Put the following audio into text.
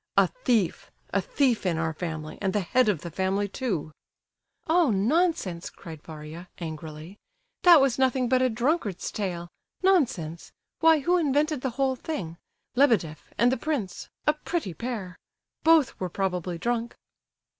A thief! A thief in our family, and the head of the family, too!" "Oh! nonsense!" cried Varia, angrily. "That was nothing but a drunkard's tale. Nonsense! Why, who invented the whole thing—Lebedeff and the prince—a pretty pair! Both were probably drunk."